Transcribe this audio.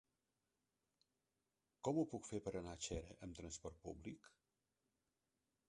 Com ho puc fer per anar a Xera amb transport públic?